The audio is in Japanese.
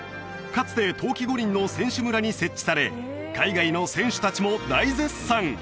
かつて冬季五輪の選手村に設置され海外の選手達も大絶賛！